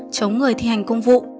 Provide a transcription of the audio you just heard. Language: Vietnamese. chống người thi hành công vụ